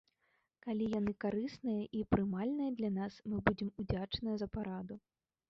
Калі яны карысныя і прымальныя для нас, мы будзем удзячныя за параду.